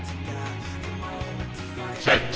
「セット」。